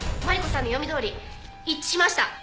マリコさんの読みどおり一致しました。